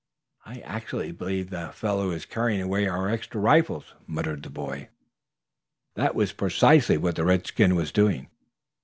"I actually believe the fellow is carrying away our extra rifles," muttered the boy. That was precisely what the redskin was doing.